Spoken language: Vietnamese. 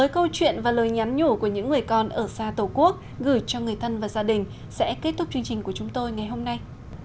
câu chuyện và lời nhắn nhủ của những người con ở xa tổ quốc gửi cho người thân và gia đình sẽ kết thúc chương trình của chúng tôi ngày hôm nay